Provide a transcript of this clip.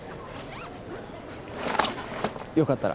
良かったら。